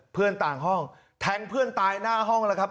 เพื่อนต่างห้องแทงเพื่อนตายหน้าห้องแล้วครับ